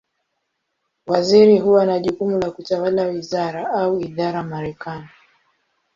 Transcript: Waziri huwa na jukumu la kutawala wizara, au idara Marekani.